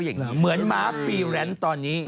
เหมือนม้าฟรีแลนซ์ตอนนี้